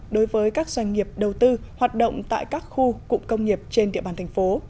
đối với các doanh nghiệp đầu tư hoạt động tại các khu cụm công nghiệp trên địa bàn thành phố